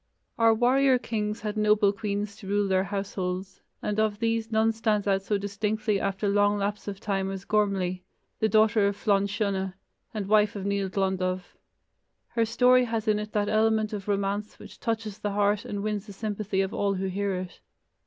Our warrior kings had noble queens to rule their households, and of these none stands out so distinctly after long lapse of time as Gormlai, the daughter of Flann Siona, and wife of Nial Glondubh. Her story has in it that element of romance which touches the heart and wins the sympathy of all who hear it.